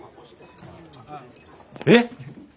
えっ！？